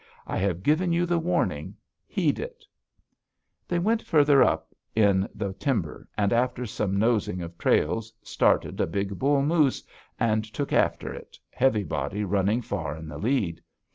'I have given you the warning; heed it.' "They went farther up in the timber, and after some nosing of trails started a big bull moose, and took after it, Heavy Body running far in the lead.